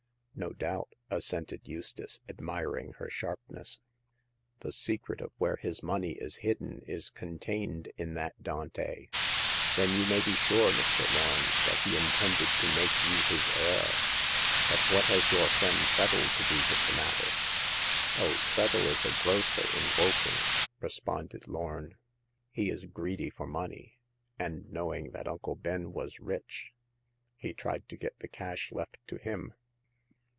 No doubt," assented Eustace, admiring her sharpness. " The secret of where his money is hidden is contained in that Dante.*' " Then you may be sure, Mr. Lorn, that he 46 Hagar of the Pawn Shop. intended to make you his heir. But what has your friend Treadle to do with the matter ?''Oh, Treadle is a grocer in Woking," re sponded Lorn. '* He is greedy for money, and knowing that Uncle Ben was rich, he tried to get the cash left to him.